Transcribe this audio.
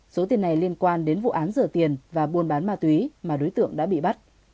số tiền này liên quan đến vụ án rửa tiền và buôn bán ma túy mà đối tượng đã bị bắt